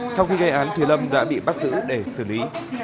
sau khi gây án lâm đã bị bắt giữ để xử lý